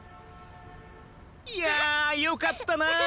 いやよかったな。